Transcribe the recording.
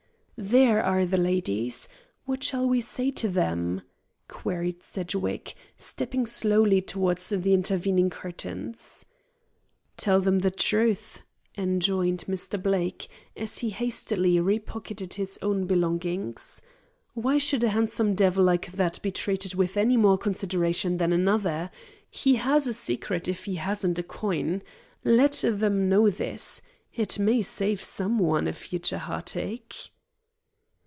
"There are the ladies. What shall we say to them?" queried Sedgwick, stepping slowly towards the intervening curtains. "Tell them the truth," enjoined Mr. Blake, as he hastily repocketed his own belongings. "Why should a handsome devil like that be treated with any more consideration than another? He has a secret if he hasn't a coin. Let them know this. It may save some one a future heartache."